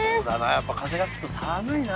やっぱ風が吹くと寒いな。